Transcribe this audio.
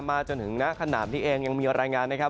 มาจนถึงขณะที่เองยังมีรายงานนะครับ